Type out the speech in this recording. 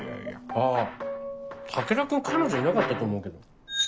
あぁ武田君彼女いなかったと思うけど。